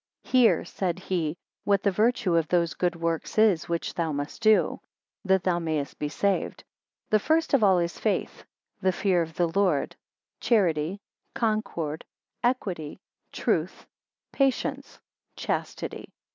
Hear, said he, what the virtue of those good works is which thou must do, that thou mayest be saved. The first of all is faith; the fear of the Lord; charity; concord; equity; truth; patience; chastity.